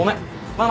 ママ。